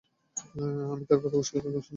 আমি তার কথাও শেষ পর্যন্ত শুনিনি।